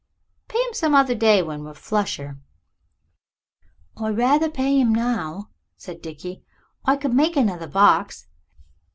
"Pay 'im some other day when we're flusher." "I'd rather pay 'im now," said Dickie. "I could make another box.